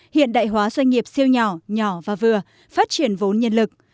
hiện đại hóa doanh nghiệp siêu nhỏ nhỏ và vừa phát triển vốn nhân lực